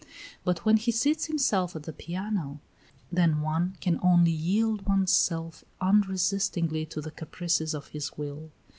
But when he seats himself at the piano, then one can only yield one's self unresistingly to the caprices of his will.